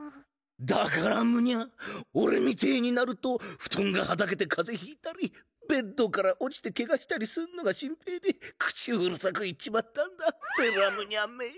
だからむにゃおれみてえになるとふとんがはだけてかぜひいたりベッドから落ちてけがしたりすんのが心配で口うるさく言っちまったんだべらむにゃめえ。